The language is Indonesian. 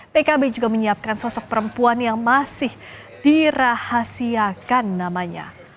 pkb juga menyiapkan sosok perempuan yang masih dirahasiakan namanya